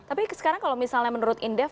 tapi sekarang kalau misalnya menurut indef